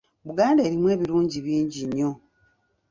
Buganda erimu ebirungi bingi nnyo.